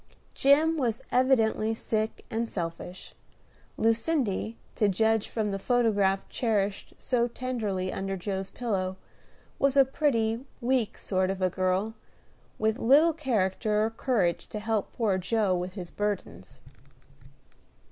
Jim was evidently sick and selfish. Lucindy, to judge from the photograph cherished so tenderly under Joe's pillow, was a pretty, weak sort of a girl, with little character or courage to help poor Joe with his burdens.